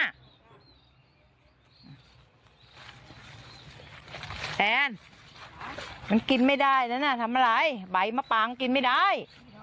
แอนมันกินไม่ได้นั้นทำอะไรใบมะปางกินไม่ได้